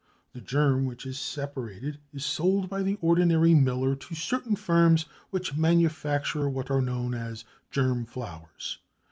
The germ which is separated is sold by the ordinary miller to certain firms which manufacture what are known as germ flours.